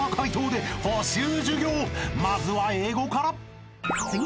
［まずは英語から］